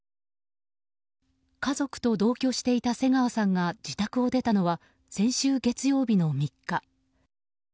家族と同居していた瀬川さんが自宅を出たのは先週月曜日の３日。